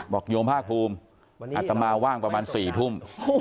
โยมภาคภูมิอัตมาว่างประมาณ๔ทุ่ม